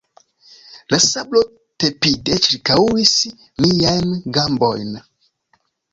La sablo tepide ĉirkaŭis miajn gambojn.